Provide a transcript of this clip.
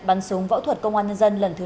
bắn súng võ thuật công an nhân dân lần thứ ba